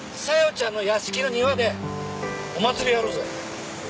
ちゃんの屋敷の庭でお祭りやろうぜ！